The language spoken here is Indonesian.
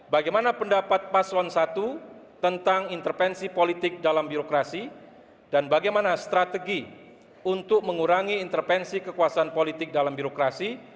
bagaimana pendapat paslon satu tentang intervensi politik dalam birokrasi dan bagaimana strategi untuk mengurangi intervensi kekuasaan politik dalam birokrasi